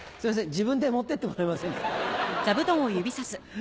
自分で持ってってもらえませんか？